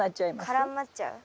絡まっちゃう。